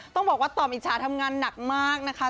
ต้องบอกว่าต่อมอิจฉาทำงานหนักมากนะคะ